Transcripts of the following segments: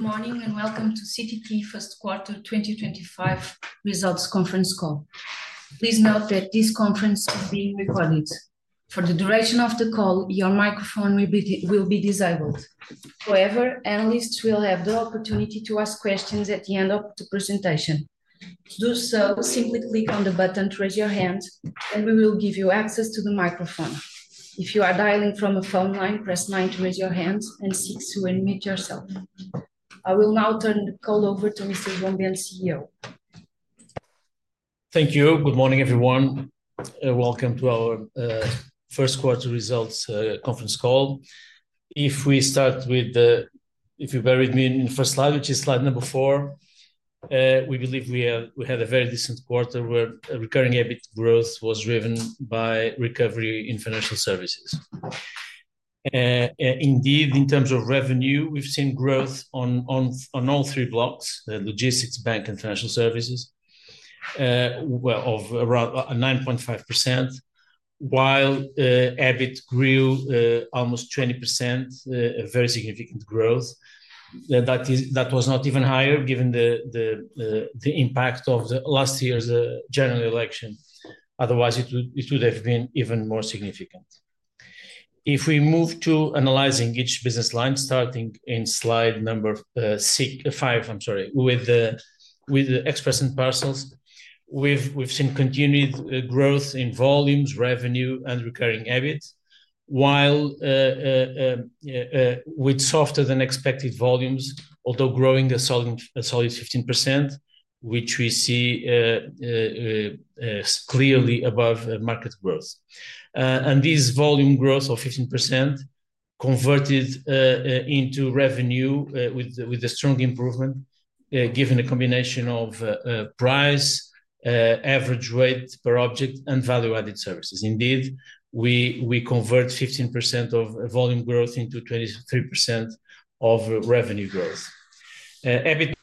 Good morning and welcome to CTT First Quarter 2025 Results Conference Call. Please note that this conference is being recorded. For the duration of the call, your microphone will be disabled. However, analysts will have the opportunity to ask questions at the end of the presentation. To do so, simply click on the button to raise your hand, and we will give you access to the microphone. If you are dialing from a phone line, press 9 to raise your hand and 6 to unmute yourself. I will now turn the call over to Mr. João Bento, CEO. Thank you. Good morning, everyone. Welcome to our First Quarter Results Conference Call. If we start with the—if you bear with me—in the first slide, which is slide number four, we believe we had a very decent quarter where recurring EBIT growth was driven by recovery in financial services. Indeed, in terms of revenue, we've seen growth on all three blocks: logistics, bank, and financial services, of around 9.5%, while EBIT grew almost 20%, a very significant growth. That was not even higher given the impact of last year's general election. Otherwise, it would have been even more significant. If we move to analyzing each business line, starting in slide number five—I'm sorry—with the Express and Parcels, we've seen continued growth in volumes, revenue, and recurring EBIT, while with softer-than-expected volumes, although growing a solid 15%, which we see clearly above market growth. This volume growth of 15% converted into revenue with a strong improvement given a combination of price, average weight per object, and value-added services. Indeed, we convert 15% of volume growth into 23% of revenue growth. EBIT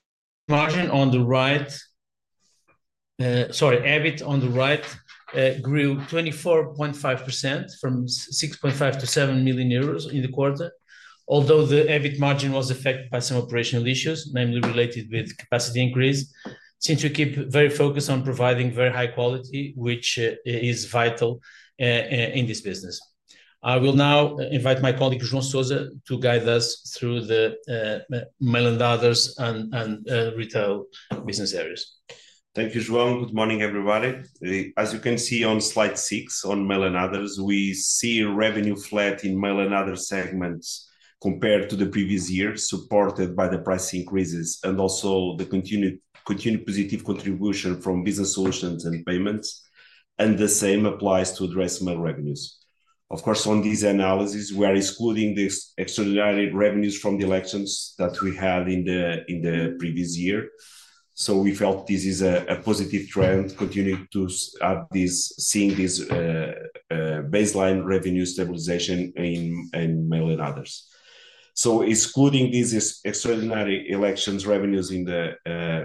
on the right grew 24.5% from 6.5 million to 7 million euros in the quarter, although the EBIT margin was affected by some operational issues, mainly related with capacity increase, since we keep very focused on providing very high quality, which is vital in this business. I will now invite my colleague João Sousa to guide us through the Mail and Others and Retail business areas. Thank you, João. Good morning, everybody. As you can see on slide six on Mail and Others, we see revenue flat in Mail and Others segments compared to the previous year, supported by the price increases and also the continued positive contribution from business solutions and payments. The same applies to addressing revenues. Of course, on these analyses, we are excluding the extraordinary revenues from the elections that we had in the previous year. We felt this is a positive trend, continuing to see this baseline revenue stabilization in Mail and Others. Excluding these extraordinary elections revenues,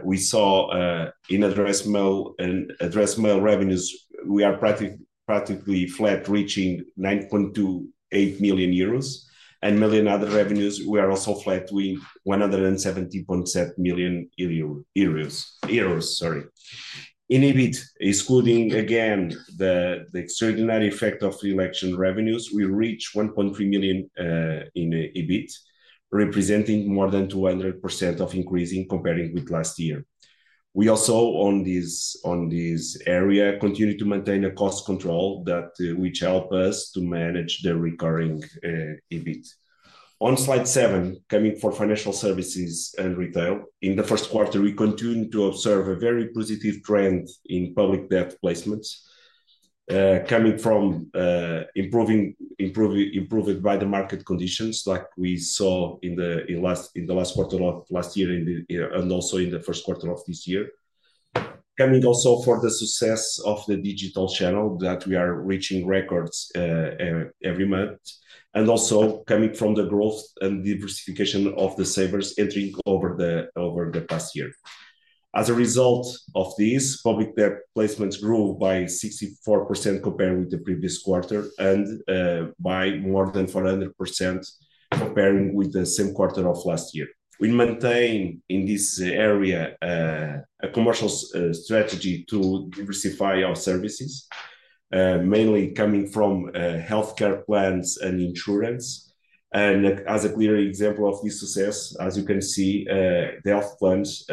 we saw in address mail revenues, we are practically flat, reaching 9.28 million euros. Mail and Other revenues, we are also flat with 170.7 million euros. In EBIT, excluding again the extraordinary effect of election revenues, we reach 1.3 million in EBIT, representing more than 200% of increasing comparing with last year. We also, on this area, continue to maintain a cost control that will help us to manage the recurring EBIT. On slide seven, coming for financial services and retail, in the first quarter, we continue to observe a very positive trend in Public Debt Placements coming from improved by the market conditions that we saw in the last quarter of last year and also in the first quarter of this year, coming also for the success of the Digital Channel that we are reaching records every month, and also coming from the growth and diversification of the savers entering over the past year. As a result of this, Public Debt Placements grew by 64% compared with the previous quarter and by more than 400% comparing with the same quarter of last year. We maintain in this area a commercial strategy to diversify our services, mainly coming from healthcare plans and Insurance. As a clear example of this success, as you can see, the Health Plans,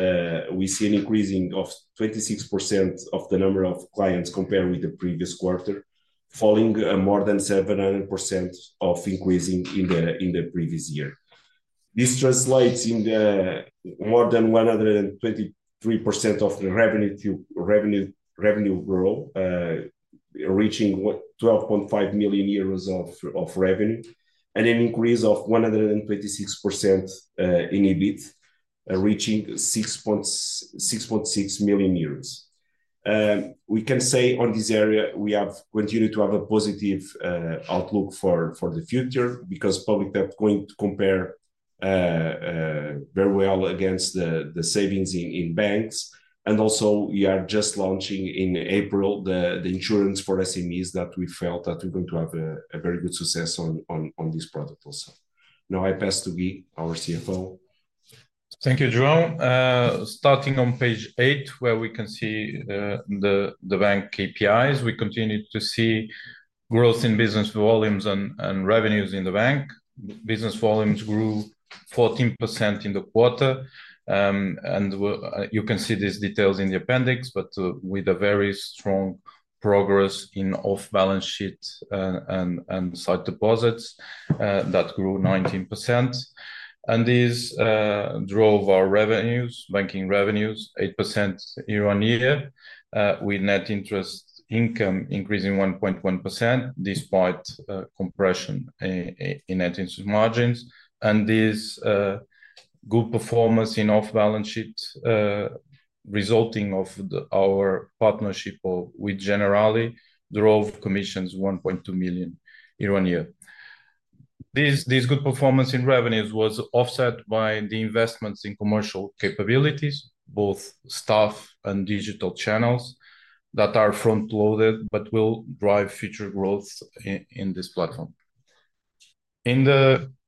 we see an increasing of 26% of the number of clients compared with the previous quarter, following more than 700% of increasing in the previous year. This translates in more than 123% of the revenue growth, reaching 12.5 million euros of revenue, and an increase of 126% in EBIT, reaching 6.6 million euros. We can say on this area, we have continued to have a positive outlook for the future because public debt is going to compare very well against the savings in banks. We are just launching in April the Insurance for SMEs that we felt that we're going to have a very good success on this product also. Now, I pass to Gui, our CFO. Thank you, João. Starting on page eight, where we can see the bank KPIs, we continue to see growth in business volumes and revenues in the bank. Business volumes grew 14% in the quarter. You can see these details in the appendix, but with a very strong progress in off-balance sheet and side deposits that grew 19%. This drove our revenues, banking revenues, 8% year on year, with net interest income increasing 1.1% despite compression in net interest margins. This good performance in off-balance sheets resulting of our partnership with Generali drove commissions 1.2 million year on year. This good performance in revenues was offset by the investments in commercial capabilities, both staff and Digital Channels that are front-loaded, but will drive future growth in this platform.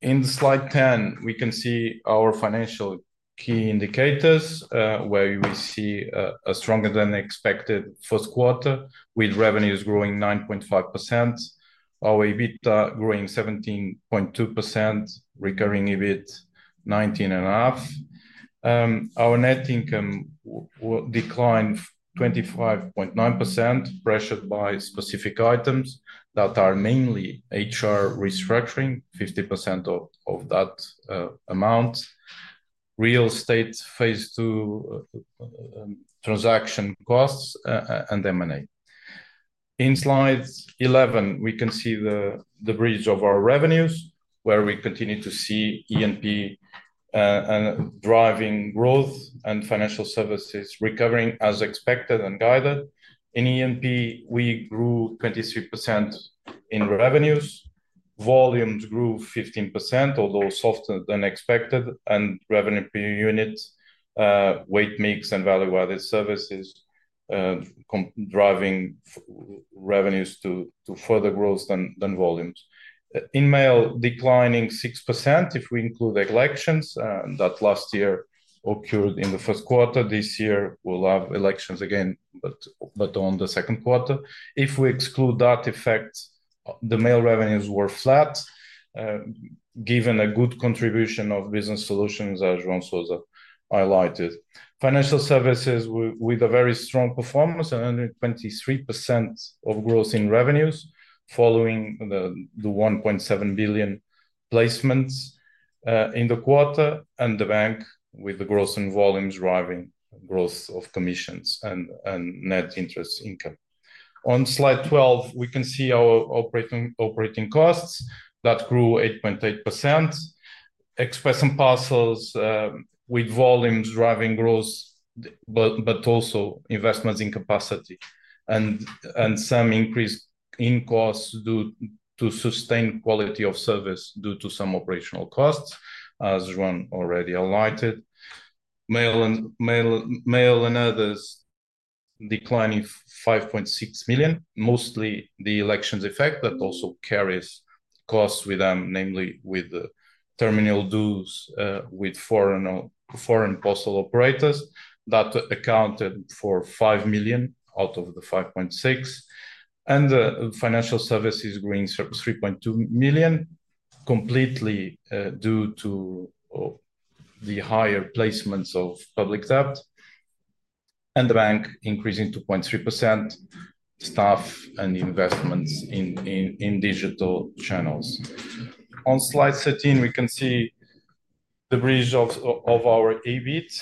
In slide 10, we can see our financial key indicators, where we see a stronger than expected first quarter, with revenues growing 9.5%, our EBITDA growing 17.2%, recurring EBIT 19.5%. Our net income declined 25.9%, pressured by specific items that are mainly HR restructuring, 50% of that amount, real estate phase two transaction costs, and M&A. In slide 11, we can see the bridge of our revenues, where we continue to see E&P and driving growth and financial services recovering as expected and guided. In E&P, we grew 23% in revenues. Volumes grew 15%, although softer than expected, and revenue per unit, weight mix, and value-added services driving revenues to further growth than volumes. In mail, declining 6% if we include elections that last year occurred in the first quarter. This year, we'll have elections again, but on the second quarter. If we exclude that effect, the mail revenues were flat, given a good contribution of Business Solutions, as João Sousa highlighted. Financial Services with a very strong performance and 23% of growth in revenues following the 1.7 billion placements in the quarter, and the Bank with the growth in volumes driving growth of commissions and net interest income. On slide 12, we can see our operating costs that grew 8.8%. Express and Parcels with volumes driving growth, but also investments in capacity and some increase in costs to sustain quality of service due to some operational costs, as João already highlighted. Mail and Others declining 5.6 million, mostly the elections effect that also carries costs with them, namely with the terminal dues with foreign parcel operators that accounted for 5 million out of the 5.6 million. Financial services grew 3.2 million, completely due to the higher placements of public debt and the bank increasing 2.3%, staff and investments in Digital Channels. On slide 13, we can see the bridge of our EBIT.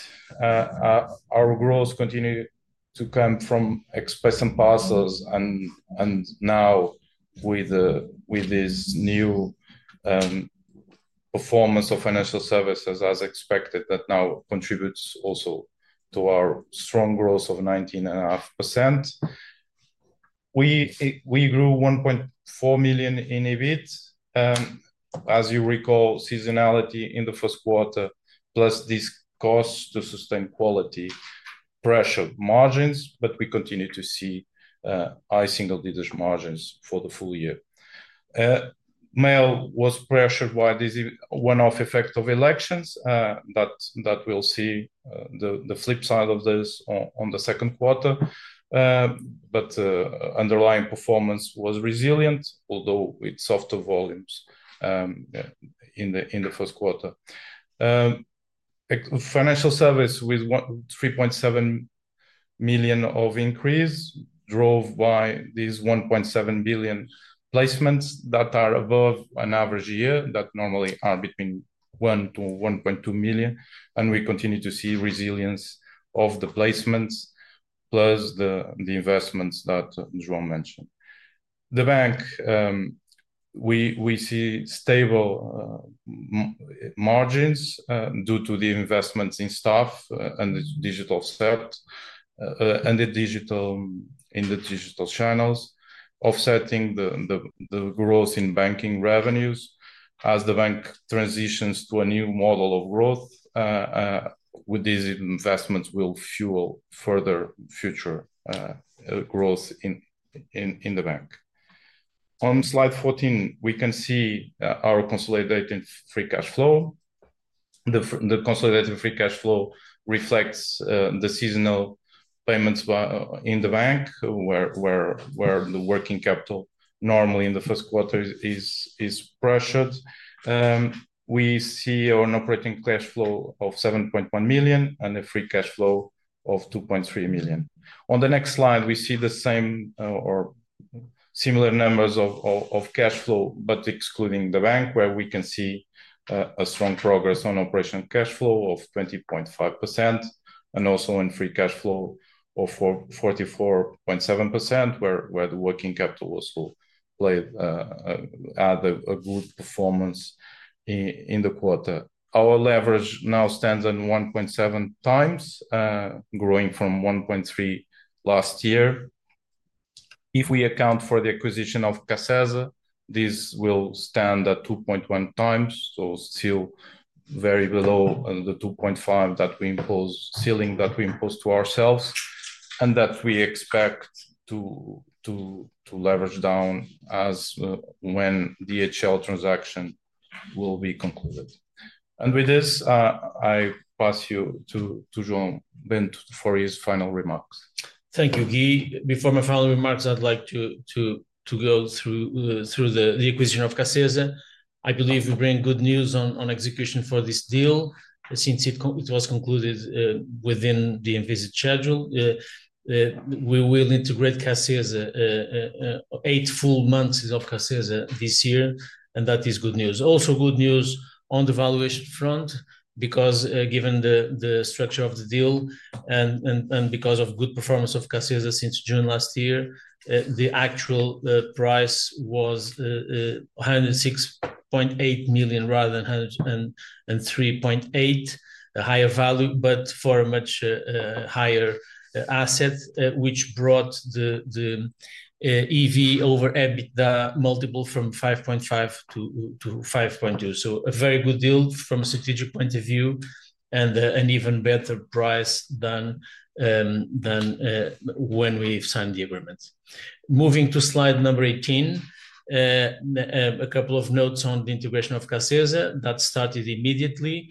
Our growth continued to come from Express and Parcels, and now with this new performance of financial services as expected that now contributes also to our strong growth of 19.5%. We grew 1.4 million in EBIT. As you recall, seasonality in the first quarter, plus these costs to sustain quality pressured margins, but we continue to see high single-digit margins for the full year. Mail was pressured by this one-off effect of elections that we will see the flip side of this on the second quarter, but underlying performance was resilient, although it softened volumes in the first quarter. Financial services with 3.7 million of increase drove by these 1.7 billion placements that are above an average year that normally are between 1 million- 1.2 million. We continue to see resilience of the placements, plus the investments that João mentioned. The bank, we see stable margins due to the investments in staff and the digital set and the digital in the digital channels, offsetting the growth in banking revenues as the bank transitions to a new model of growth, with these investments will fuel further future growth in the bank. On slide 14, we can see our consolidated free cash flow. The consolidated free cash flow reflects the seasonal payments in the bank where the working capital normally in the first quarter is pressured. We see an operating cash flow of 7.1 million and a free cash flow of 2.3 million. On the next slide, we see the same or similar numbers of cash flow, but excluding the bank, where we can see a strong progress on operation cash flow of 20.5%, and also in free cash flow of 44.7%, where the working capital also played a good performance in the quarter. Our leverage now stands at 1.7 times, growing from 1.3 last year. If we account for the acquisition of CACESA, this will stand at 2.1 times, so still very below the 2.5 that we impose, ceiling that we impose to ourselves, and that we expect to leverage down as when the HL transaction will be concluded. With this, I pass you to João Bento for his final remarks. Thank you, Gui. Before my final remarks, I'd like to go through the acquisition of CACESA. I believe we bring good news on execution for this deal since it was concluded within the envisaged schedule. We will integrate CACESA eight full months of CACESA this year, and that is good news. Also good news on the valuation front because given the structure of the deal and because of good performance of CACESA since June last year, the actual price was 106.8 million rather than 103.8 million, a higher value, but for a much higher asset, which brought the EV over EBITDA multiple from 5.5 to 5.2. A very good deal from a strategic point of view and an even better price than when we signed the agreement. Moving to slide number 18, a couple of notes on the integration of CACESA that started immediately.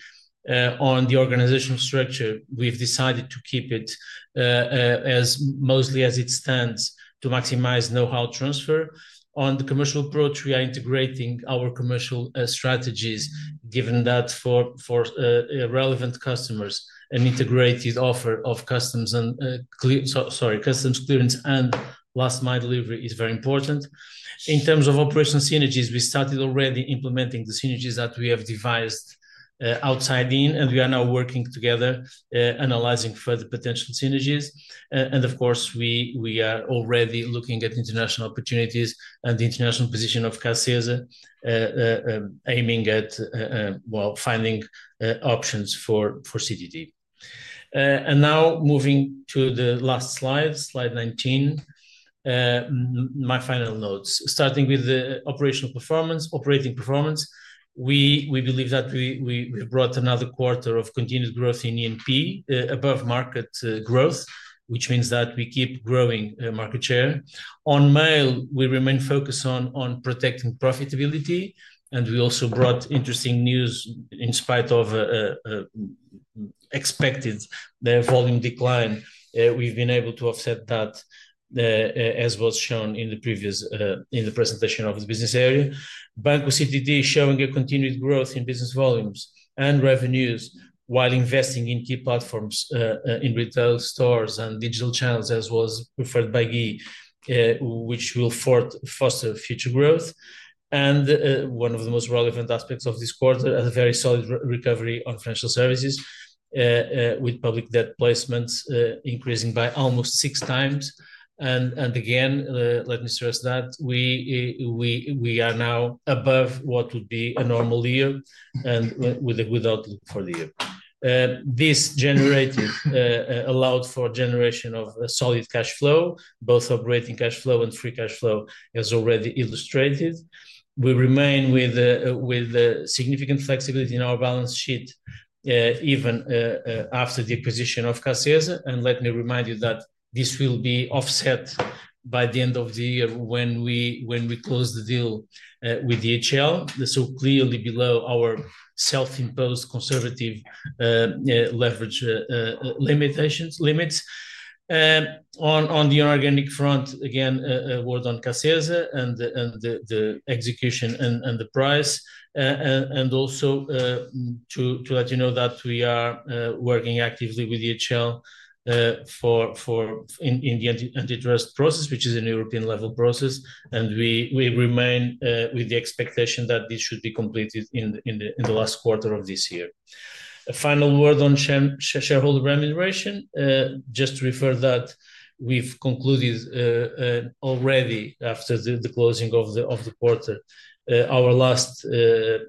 On the organizational structure, we have decided to keep it as mostly as it stands to maximize know-how transfer. On the commercial approach, we are integrating our commercial strategies given that for relevant customers, an integrated offer of customs and clearance and last-mile delivery is very important. In terms of operational synergies, we started already implementing the synergies that we have devised outside in, and we are now working together analyzing further potential synergies. Of course, we are already looking at international opportunities and the international position of CACESA, aiming at, well, finding options for CTT. Now moving to the last slide, slide 19, my final notes. Starting with the operational performance, operating performance, we believe that we have brought another quarter of continued growth in E&P above market growth, which means that we keep growing market share. On mail, we remain focused on protecting profitability, and we also brought interesting news in spite of expected volume decline. We've been able to offset that as was shown in the previous in the presentation of the business area. Bank with CTT showing a continued growth in business volumes and revenues while investing in key platforms in retail stores and Digital Channels, as was preferred by Gui, which will foster future growth. One of the most relevant aspects of this quarter, a very solid recovery on financial services with Public Debt Placements increasing by almost six times. Let me stress that we are now above what would be a normal year and without looking for the year. This generated allowed for generation of solid cash flow, both operating cash flow and free cash flow, as already illustrated. We remain with significant flexibility in our balance sheet even after the acquisition of CACESA. Let me remind you that this will be offset by the end of the year when we close the deal with the HL, so clearly below our self-imposed conservative leverage limitations. On the organic front, again, a word on CACESA and the execution and the price. Also to let you know that we are working actively with the HL in the antitrust process, which is a European-level process. We remain with the expectation that this should be completed in the last quarter of this year. A final word on shareholder remuneration, just to refer that we've concluded already after the closing of the quarter, our last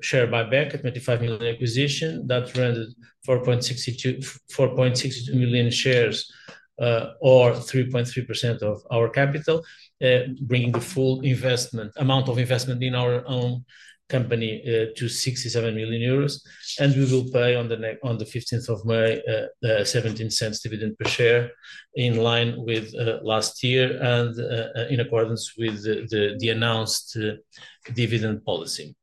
share buyback at 25 million acquisition that rendered 4.62 million shares or 3.3% of our capital, bringing the full amount of investment in our own company to 67 million euros. We will pay on the 15th of May, 0.17 dividend per share in line with last year and in accordance with the announced dividend policy.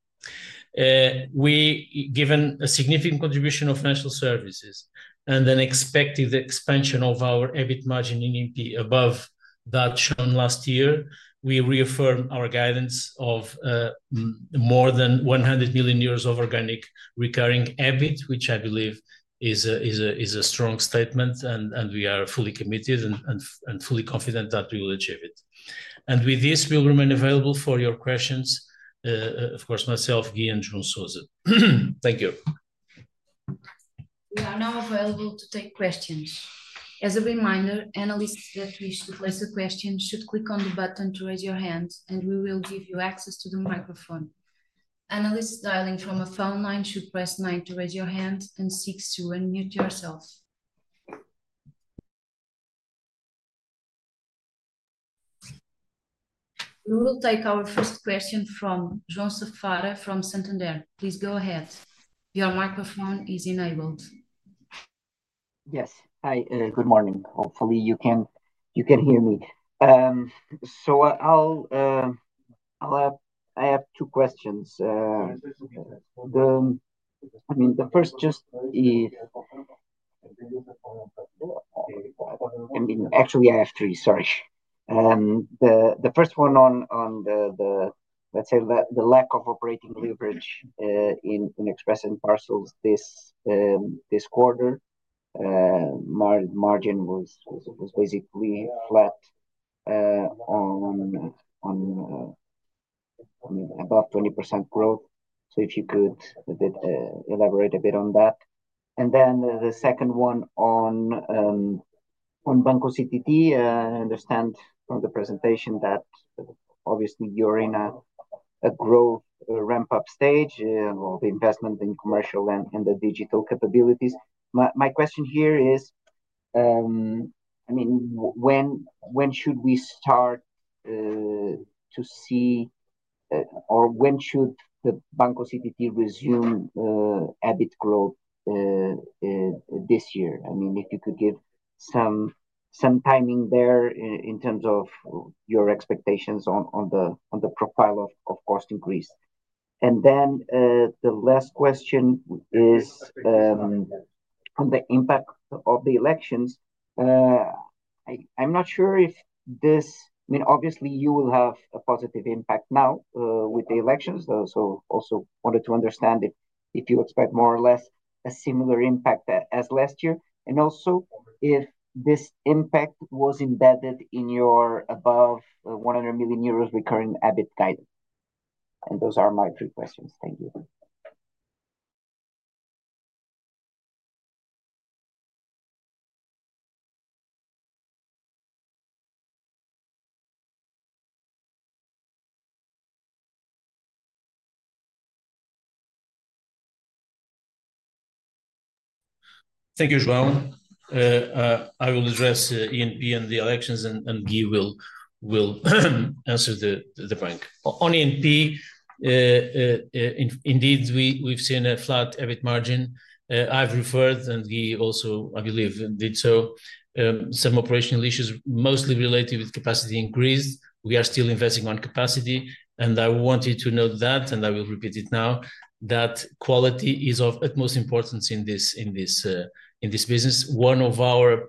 Given a significant contribution of financial services and an expected expansion of our EBIT margin in E&P above that shown last year, we reaffirm our guidance of more than 100 million euros of organic recurring EBIT, which I believe is a strong statement, and we are fully committed and fully confident that we will achieve it. With this, we'll remain available for your questions, of course, myself, Gui, and João Sousa. Thank you. We are now available to take questions. As a reminder, analysts that wish to place a question should click on the button to raise your hand, and we will give you access to the microphone. Analysts dialing from a phone line should press 9 to raise your hand and 6 to unmute yourself. We will take our first question from João Sousa from Santander. Please go ahead. Your microphone is enabled. Yes. Hi, good morning. Hopefully, you can hear me. I have two questions. I mean, the first just is actually, I have three, sorry. The first one on the, let's say, the lack of operating leverage in Express and Parcels this quarter, margin was basically flat on about 20% growth. If you could elaborate a bit on that. The second one on Bank with CTT, I understand from the presentation that obviously you're in a growth ramp-up stage of investment in commercial and the digital capabilities. My question here is, I mean, when should we start to see or when should the Bank with CTT resume EBIT growth this year? If you could give some timing there in terms of your expectations on the profile of cost increase. The last question is on the impact of the elections. I'm not sure if this, I mean, obviously, you will have a positive impact now with the elections. I also wanted to understand if you expect more or less a similar impact as last year. I also wanted to know if this impact was embedded in your above 100 million euros recurring EBIT guidance. Those are my three questions. Thank you. Thank you, João. I will address E&P and the elections, and Gui will answer the bank. On E&P, indeed, we've seen a flat EBIT margin. I've referred, and Gui also, I believe, did so, some operational issues mostly related with capacity increase. We are still investing on capacity. I want you to note that, and I will repeat it now, that quality is of utmost importance in this business. One of our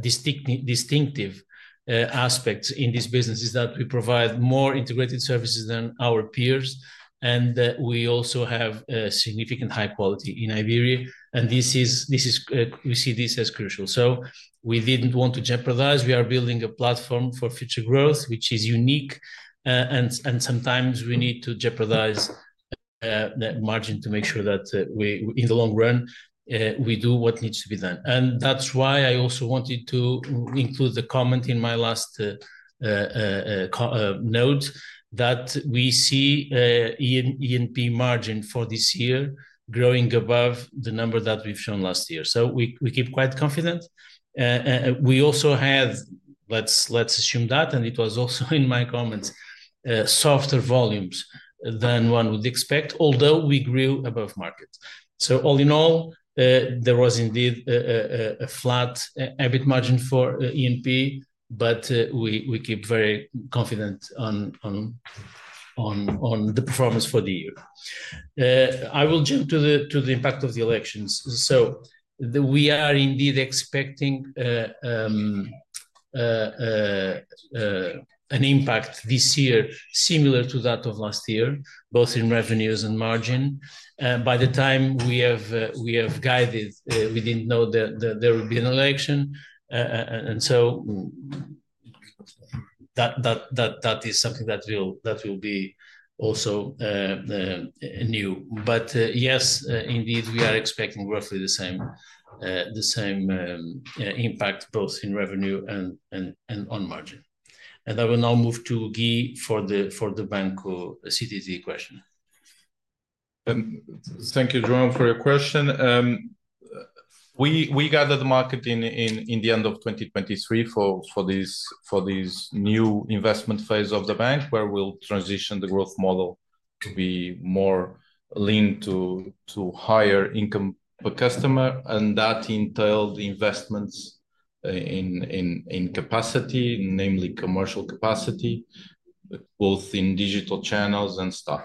distinctive aspects in this business is that we provide more integrated services than our peers, and we also have significant high quality in Iberia. We see this as crucial. We did not want to jeopardize. We are building a platform for future growth, which is unique. Sometimes we need to jeopardize the margin to make sure that in the long run, we do what needs to be done. That is why I also wanted to include the comment in my last note that we see E&P margin for this year growing above the number that we have shown last year. We keep quite confident. We also had, let's assume that, and it was also in my comments, softer volumes than one would expect, although we grew above market. All in all, there was indeed a flat EBIT margin for E&P, but we keep very confident on the performance for the year. I will jump to the impact of the elections. We are indeed expecting an impact this year similar to that of last year, both in revenues and margin. By the time we have guided, we did not know there would be an election. That is something that will be also new. Yes, indeed, we are expecting roughly the same impact both in revenue and on margin. I will now move to Gui for the Bank with CTT question. Thank you, João, for your question. We gathered the market in the end of 2023 for this new investment phase of the bank, where we'll transition the growth model to be more lean to higher income per customer. That entailed investments in capacity, namely commercial capacity, both in Digital Channels and staff.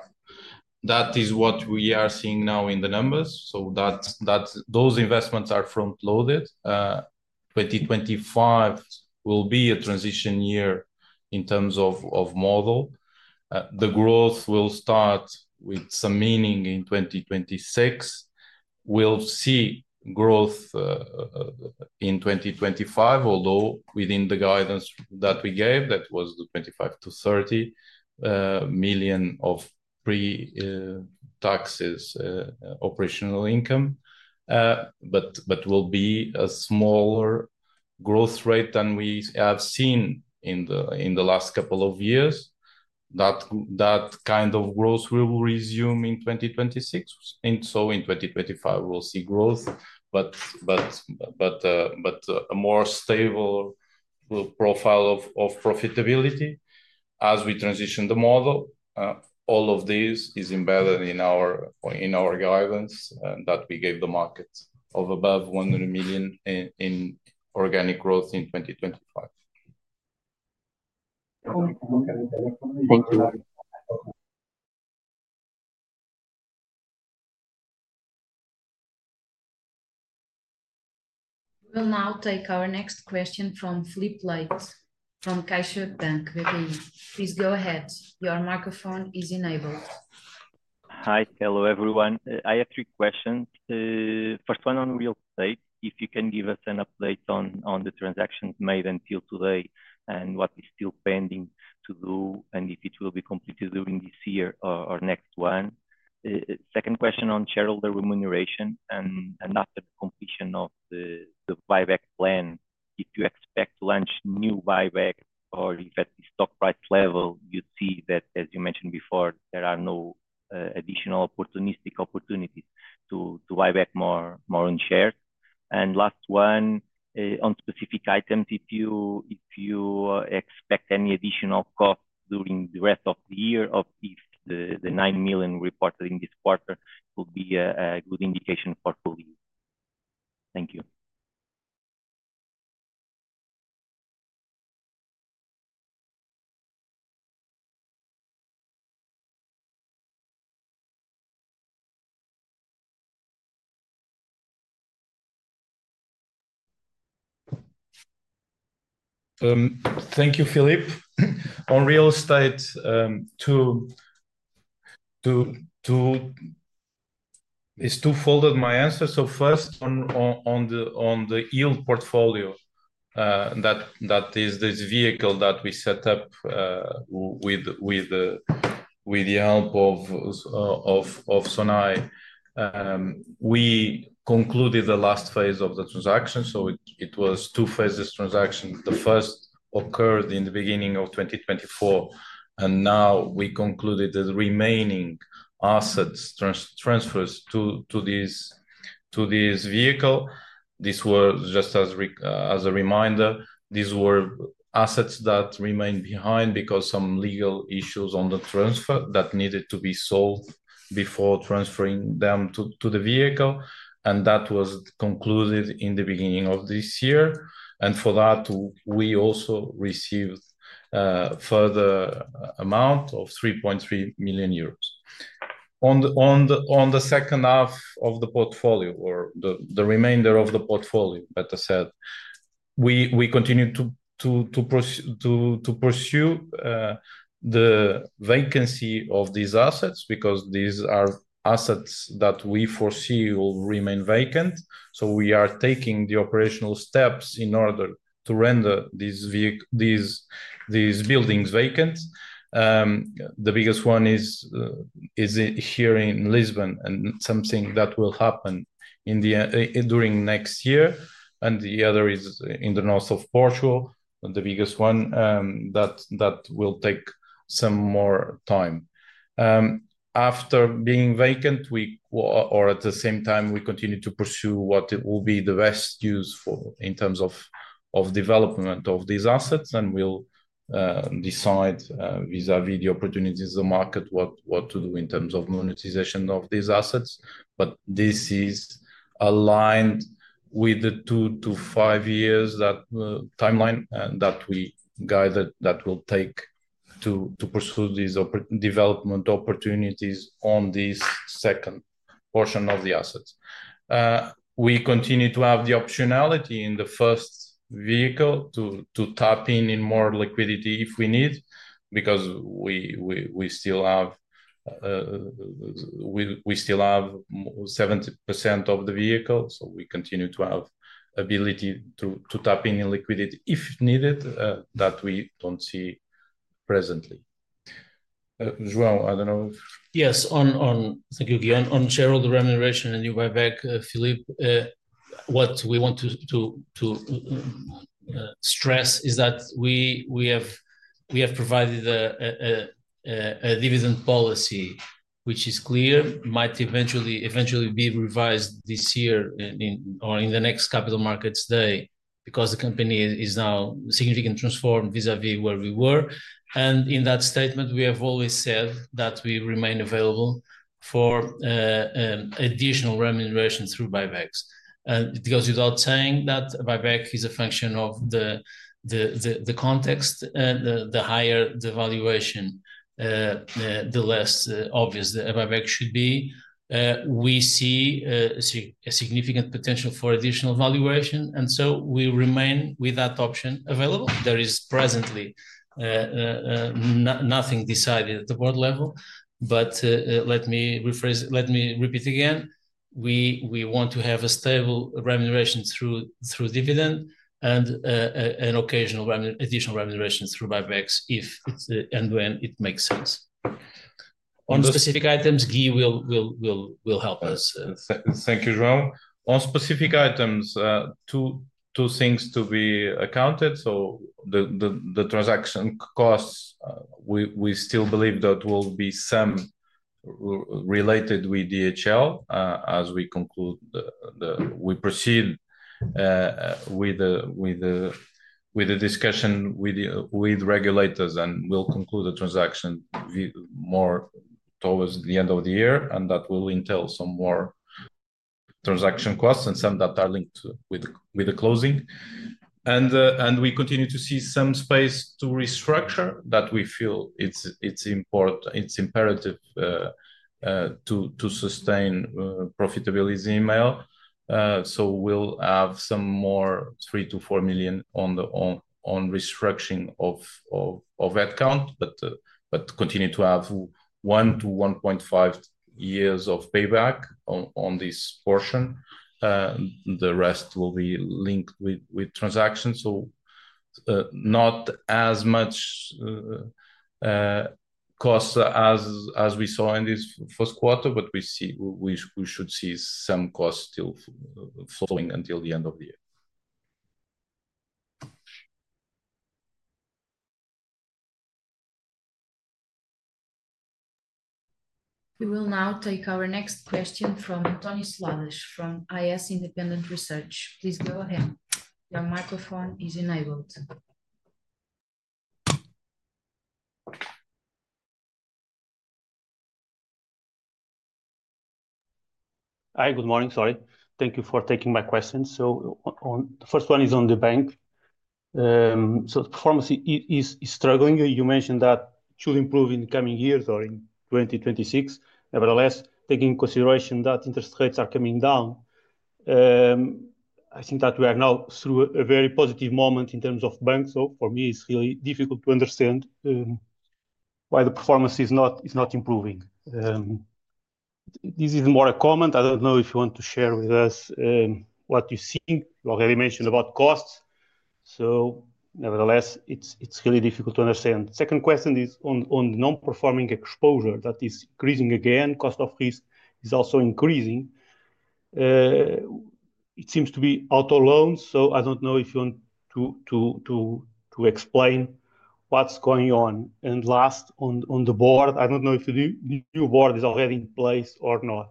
That is what we are seeing now in the numbers. Those investments are front-loaded. 2025 will be a transition year in terms of model. The growth will start with some meaning in 2026. We'll see growth in 2025, although within the guidance that we gave, that was the 25 million-30 million of pre-taxes operational income, but will be a smaller growth rate than we have seen in the last couple of years. That kind of growth will resume in 2026. In 2025, we'll see growth, but a more stable profile of profitability as we transition the model. All of this is embedded in our guidance that we gave the market of above 100 million in organic growth in 2025. Thank you. We will now take our next question from Filipe Leite from CaixaBank BPI. Please go ahead. Your microphone is enabled. Hi, hello everyone. I have three questions. First one on real estate, if you can give us an update on the transactions made until today and what is still pending to do and if it will be completed during this year or next one. Second question on shareholder remuneration and after the completion of the buyback plan, if you expect to launch new buybacks or if at the stock price level, you see that, as you mentioned before, there are no additional opportunistic opportunities to buy back more on shares. Last one on specific items, if you expect any additional costs during the rest of the year or if the 9 million reported in this quarter will be a good indication for you. Thank you. Thank you, Philippe. On real estate, it's twofold my answer. First, on the yield portfolio, that is this vehicle that we set up with the help of Sonae, we concluded the last phase of the transaction. It was a two-phase transaction. The first occurred in the beginning of 2024. We concluded the remaining assets transfers to this vehicle. Just as a reminder, these were assets that remained behind because of some legal issues on the transfer that needed to be solved before transferring them to the vehicle. That was concluded in the beginning of this year. For that, we also received a further amount of 3.3 million euros. On the second half of the portfolio, or the remainder of the portfolio, better said, we continue to pursue the vacancy of these assets because these are assets that we foresee will remain vacant. We are taking the operational steps in order to render these buildings vacant. The biggest one is here in Lisbon and something that will happen during next year. The other is in the north of Portugal, the biggest one that will take some more time. After being vacant, or at the same time, we continue to pursue what will be the best use in terms of development of these assets. We will decide vis-à-vis the opportunities of the market what to do in terms of monetization of these assets. This is aligned with the two- to five-year timeline that we guided that will take to pursue these development opportunities on this second portion of the assets. We continue to have the optionality in the first vehicle to tap in more liquidity if we need because we still have 70% of the vehicle. We continue to have the ability to tap in liquidity if needed that we do not see presently. João, I do not know. Yes. Thank you, Gui. On shareholder remuneration and new buyback, Philippe, what we want to stress is that we have provided a dividend policy, which is clear, might eventually be revised this year or in the next capital markets day because the company is now significantly transformed vis-à-vis where we were. In that statement, we have always said that we remain available for additional remuneration through buybacks. It goes without saying that buyback is a function of the context. The higher the valuation, the less obvious the buyback should be. We see a significant potential for additional valuation. We remain with that option available. There is presently nothing decided at the board level. Let me repeat again, we want to have a stable remuneration through dividend and an occasional additional remuneration through buybacks when it makes sense. On specific items, Gui will help us. Thank you, João. On specific items, two things to be accounted. The transaction costs, we still believe that will be some related with DHL as we proceed with the discussion with regulators and will conclude the transaction more towards the end of the year. That will entail some more transaction costs and some that are linked with the closing. We continue to see some space to restructure that we feel it's imperative to sustain profitability in email. We will have some more 3 million-4 million on restructuring of that account, but continue to have one to one and a half years of payback on this portion. The rest will be linked with transactions. Not as much cost as we saw in this first quarter, but we should see some costs still flowing until the end of the year. We will now take our next question from António Seladas from AS Independent Research. Please go ahead. Your microphone is enabled. Hi, good morning. Sorry. Thank you for taking my question. The first one is on the bank. The performance is struggling. You mentioned that it should improve in the coming years or in 2026. Nevertheless, taking into consideration that interest rates are coming down, I think that we are now through a very positive moment in terms of banks. For me, it's really difficult to understand why the performance is not improving. This is more a comment. I don't know if you want to share with us what you think. You already mentioned about costs. Nevertheless, it's really difficult to understand. Second question is on the non-performing exposure that is increasing again. Cost of risk is also increasing. It seems to be auto loans. I don't know if you want to explain what's going on. Last on the board, I do not know if the new board is already in place or not.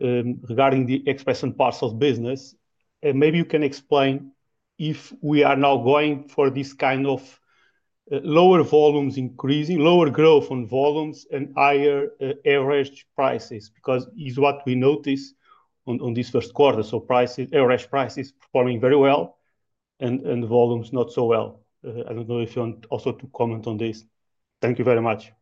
Regarding the Express and Parcels business, maybe you can explain if we are now going for this kind of lower volumes increasing, lower growth on volumes and higher average prices because it is what we noticed in this first quarter. Average prices performing very well and volumes not so well. I do not know if you want also to comment on this. Thank you very much.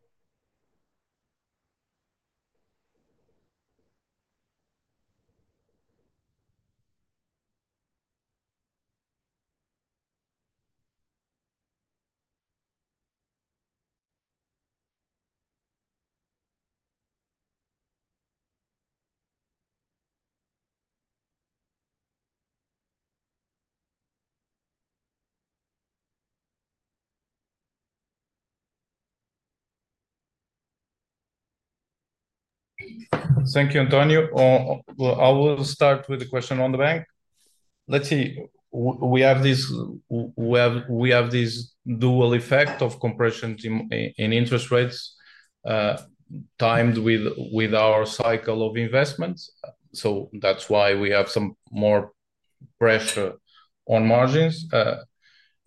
Thank you, António. I will start with the question on the bank. Let's see. We have this dual effect of compressions in interest rates timed with our cycle of investments. That's why we have some more pressure on margins.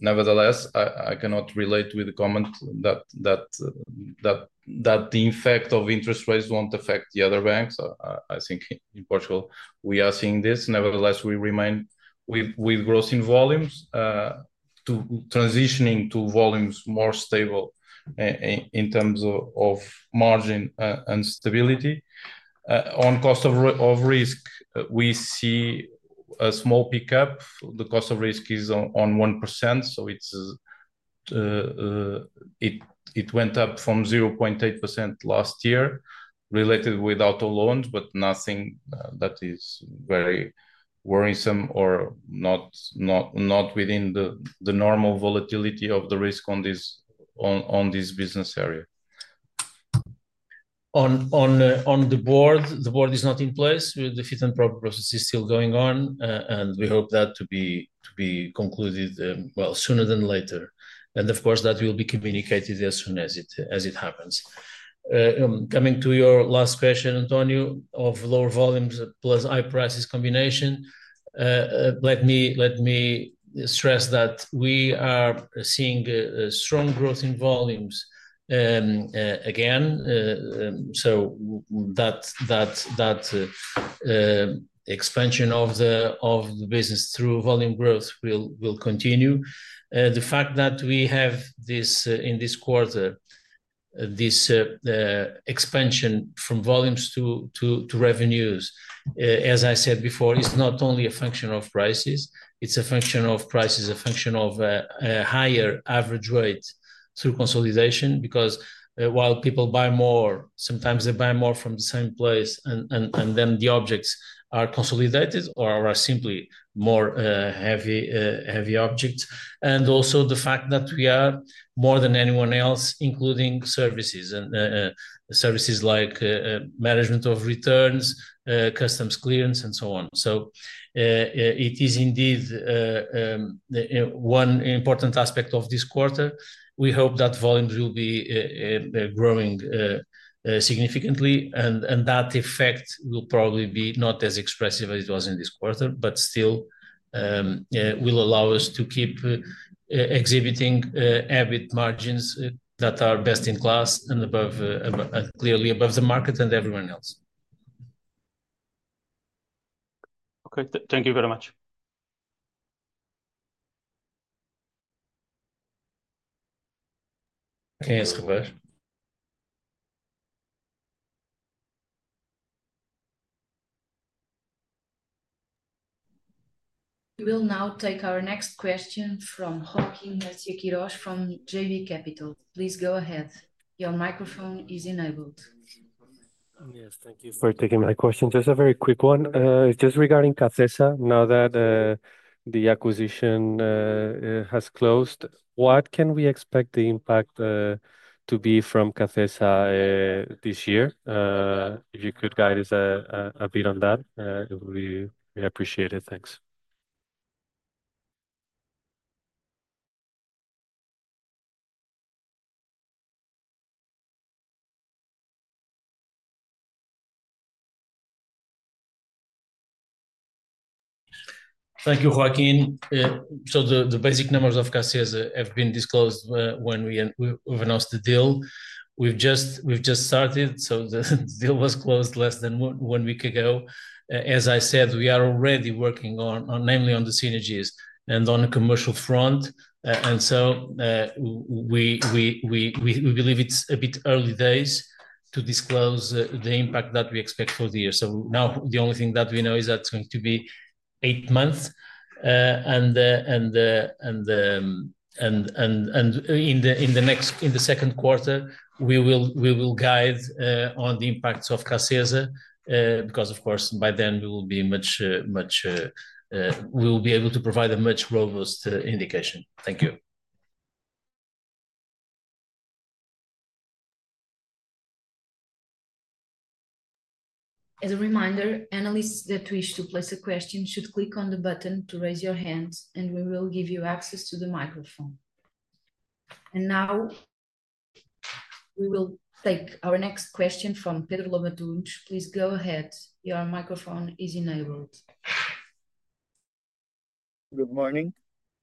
Nevertheless, I cannot relate with the comment that the effect of interest rates will not affect the other banks. I think in Portugal, we are seeing this. Nevertheless, we remain with growth in volumes to transitioning to volumes more stable in terms of margin and stability. On cost of risk, we see a small pickup. The cost of risk is on 1%. It went up from 0.8% last year related with auto loans, but nothing that is very worrisome or not within the normal volatility of the risk on this business area. On the board, the board is not in place. The fit and proper process is still going on. We hope that to be concluded, sooner than later. Of course, that will be communicated as soon as it happens. Coming to your last question, António, of lower volumes plus high prices combination, let me stress that we are seeing strong growth in volumes again. That expansion of the business through volume growth will continue. The fact that we have in this quarter this expansion from volumes to revenues, as I said before, is not only a function of prices. It is a function of prices, a function of a higher average rate through consolidation because while people buy more, sometimes they buy more from the same place, and then the objects are consolidated or are simply more heavy objects. Also, the fact that we are more than anyone else, including services, and services like management of returns, customs clearance, and so on. It is indeed one important aspect of this quarter. We hope that volumes will be growing significantly. That effect will probably be not as expressive as it was in this quarter, but still will allow us to keep exhibiting EBIT margins that are best in class and clearly above the market and everyone else. Okay. Thank you very much. Okay. We will now take our next question from Joaquín Garcia-Quirós from JB Capital. Please go ahead. Your microphone is enabled. Yes. Thank you for taking my question. Just a very quick one. Just regarding CACESA, now that the acquisition has closed, what can we expect the impact to be from CACESA this year? If you could guide us a bit on that, we appreciate it. Thanks. Thank you, Joaquín. The basic numbers of CACESA have been disclosed when we announced the deal. We've just started. The deal was closed less than one week ago. As I said, we are already working on, namely, on the synergies and on the commercial front. We believe it's a bit early days to disclose the impact that we expect for the year. Now the only thing that we know is that it's going to be eight months. In the second quarter, we will guide on the impacts of CACESA because, of course, by then we will be able to provide a much more robust indication. Thank you. As a reminder, analysts that wish to place a question should click on the button to raise your hand, and we will give you access to the microphone. Now we will take our next question from Pedro Lobo Antunes. Please go ahead. Your microphone is enabled. Good morning.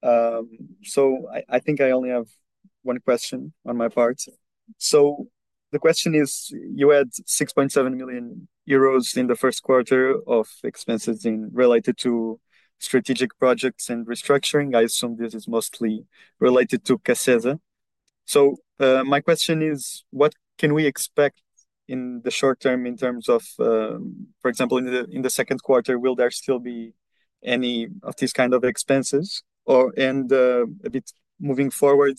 I think I only have one question on my part. The question is, you had 6.7 million euros in the first quarter of expenses related to strategic projects and restructuring. I assume this is mostly related to CACESA. My question is, what can we expect in the short term in terms of, for example, in the second quarter, will there still be any of these kind of expenses? A bit moving forward,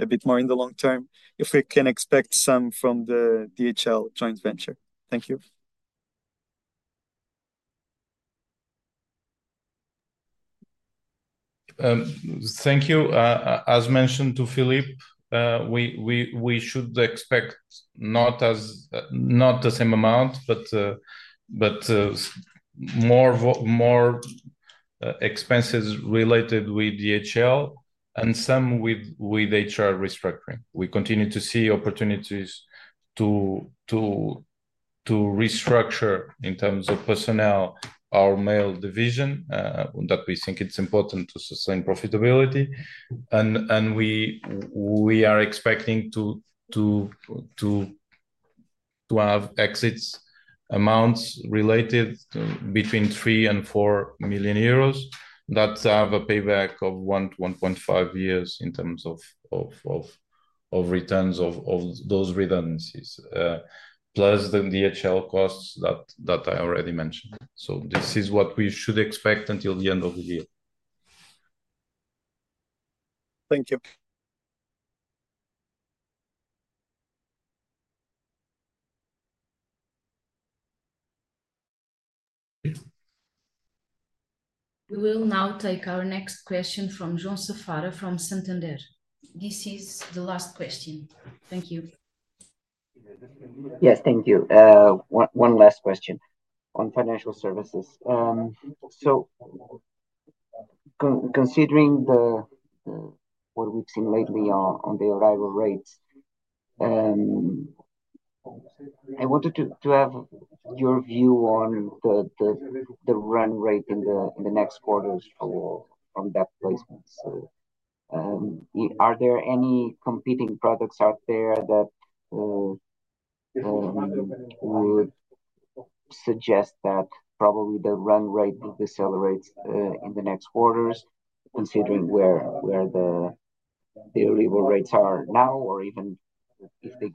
a bit more in the long term, if we can expect some from the DHL joint venture. Thank you. Thank you. As mentioned to Philippe, we should expect not the same amount, but more expenses related with DHL and some with HR restructuring. We continue to see opportunities to restructure in terms of personnel, our Mail division, that we think it's important to sustain profitability. We are expecting to have exit amounts related between 3 million-4 million euros that have a payback of 1.5 years in terms of returns of those redundancies, plus the DHL costs that I already mentioned. This is what we should expect until the end of the year. Thank you. We will now take our next question from João Sousa from Santander. This is the last question. Thank you. Yes. Thank you. One last question on financial services. Considering what we've seen lately on the arrival rates, I wanted to have your view on the run rate in the next quarters from that placement. Are there any competing products out there that would suggest that probably the run rate will decelerate in the next quarters considering where the arrival rates are now or even if they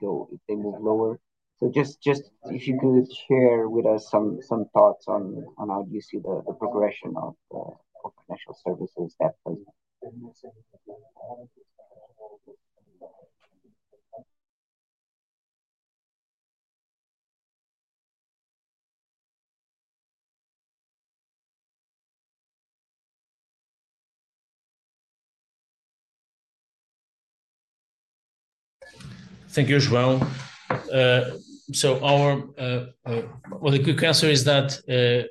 move lower? If you could share with us some thoughts on how you see the progression of financial services that placement. Thank you, João. Our quick answer is that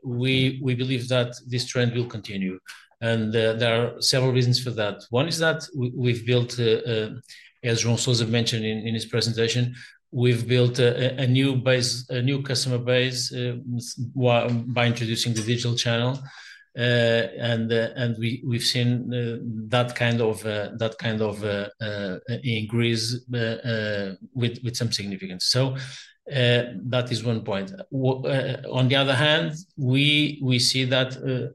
we believe that this trend will continue. There are several reasons for that. One is that we've built, as João Sousa mentioned in his presentation, we've built a new customer base by introducing the Digital Channel. We've seen that kind of increase with some significance. That is one point. On the other hand, we see that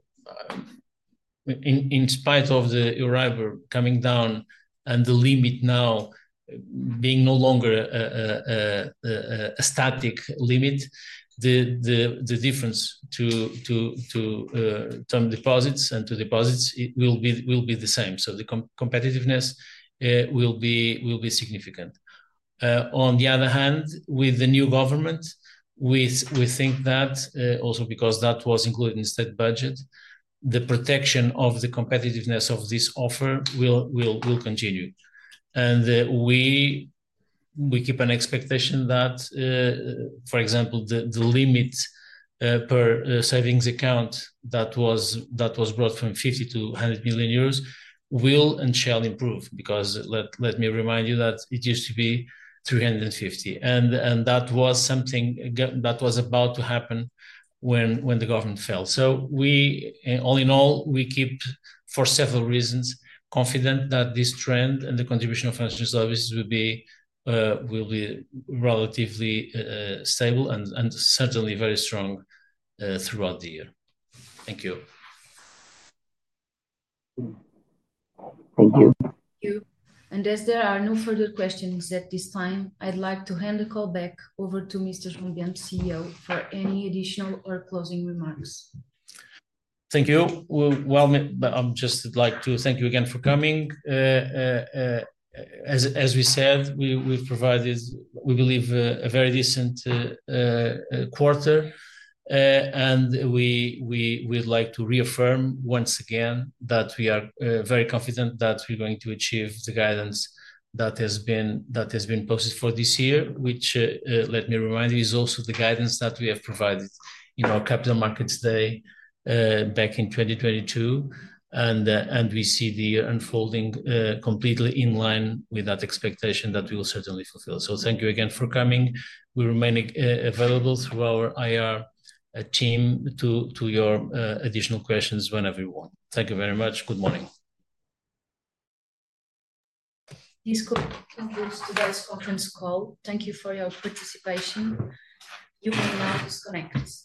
in spite of the arrival coming down and the limit now being no longer a static limit, the difference to term Deposits and to deposits will be the same. The competitiveness will be significant. On the other hand, with the new government, we think that also because that was included in the state budget, the protection of the competitiveness of this offer will continue. We keep an expectation that, for example, the limit per Savings Account that was brought from 50 million to 100 million euros will and shall improve because let me remind you that it used to be 350 million. That was something that was about to happen when the government fell. All in all, we keep, for several reasons, confident that this trend and the contribution of financial services will be relatively stable and certainly very strong throughout the year. Thank you. Thank you. Thank you. As there are no further questions at this time, I'd like to hand the call back over to Mr. João Bento, CEO, for any additional or closing remarks. Thank you. I just would like to thank you again for coming. As we said, we've provided, we believe, a very decent quarter. We would like to reaffirm once again that we are very confident that we're going to achieve the guidance that has been posted for this year, which, let me remind you, is also the guidance that we have provided in our capital markets day back in 2022. We see the year unfolding completely in line with that expectation that we will certainly fulfill. Thank you again for coming. We remain available through our IR team to your additional questions whenever you want. Thank you very much. Good morning. This concludes today's conference call. Thank you for your participation. You may now disconnect.